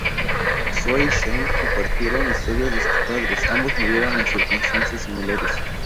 Zoe y Shane comparten historias de sus padres, ambos murieron en circunstancias similares.